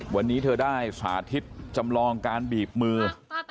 วันนี้เธอได้สาธิตจำลองการบีบมือ